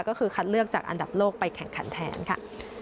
ก็คือคัดเลือกจากอันดับโลกไปแข่งขันแทนค่ะ